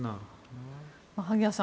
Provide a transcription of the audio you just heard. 萩谷さん